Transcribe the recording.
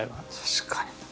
確かに。